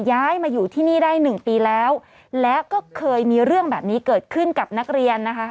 ย้ายมาอยู่ที่นี่ได้หนึ่งปีแล้วแล้วก็เคยมีเรื่องแบบนี้เกิดขึ้นกับนักเรียนนะคะ